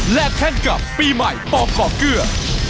และแท่งกับปีใหม่ปองก่อเกลือ